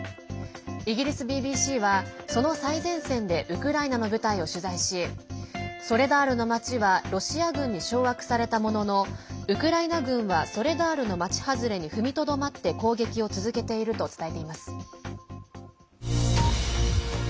イギリスＢＢＣは、その最前線でウクライナの部隊を取材しソレダールの町はロシア軍に掌握されたもののウクライナ軍はソレダールの町外れに踏みとどまって攻撃を続けていると伝えています。